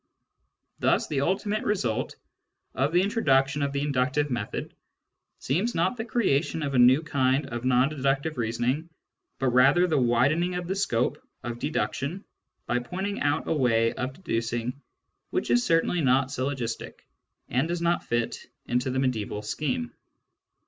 Thus the ultimate result of the introduction of the inductive method seems not the creation of a new kind of non deductive reasoning, but rather the widening of the scope of deduction by pointing out a way of deducing which is certainly not syllogistic, and does not fit into the mediaeval scheme.